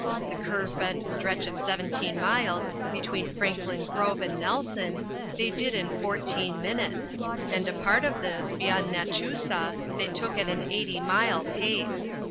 The curve bent stretch of seventeen miles between Franklin Grove and Nelson they did in fourteen minutes, and a part of this, beyond Nachusa, they took at an eighty mile pace.